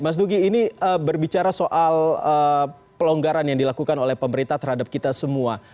mas nugi ini berbicara soal pelonggaran yang dilakukan oleh pemerintah terhadap kita semua